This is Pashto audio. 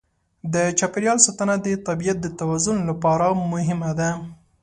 د چاپېریال ساتنه د طبیعت د توازن لپاره مهمه ده.